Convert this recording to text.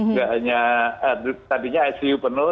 nggak hanya tadinya icu penuh